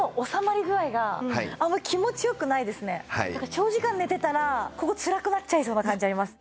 長時間寝てたらここつらくなっちゃいそうな感じあります。